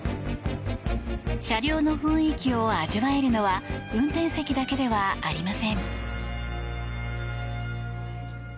車両の雰囲気を味わえるのは運転席だけではありません。